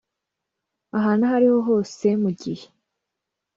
ahantu aho ari ho hose mu gihe